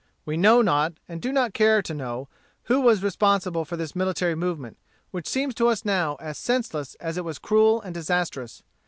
We know not, and do not care to know, who was responsible for this military movement, which seems to us now as senseless as it was cruel and disastrous.